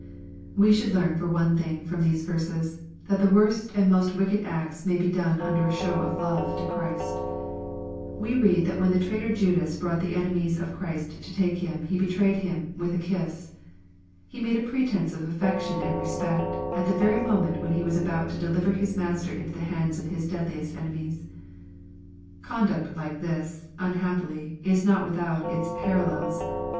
We should learn, for one thing, from these verses, that the worst and most wicked acts may be doneunder a show of love to Christ. We read that when the traitor Judas brought the enemies of Christ to take Him, he betrayed Him " with a kiss." He made a pretence of affection and respect, at the very moment when he was about to deliver his Master into the hands of his deadliest ene mies. Conduct like this, unhappily, is not without its paral lels.